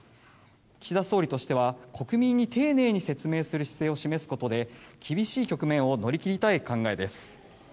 岸田総理としては国民に丁寧に説明する姿勢を示すことで厳しい局面を乗り切りたい考えです。